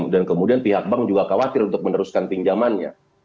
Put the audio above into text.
dan kemudian pihak bank juga khawatir untuk meneruskan pinjamannya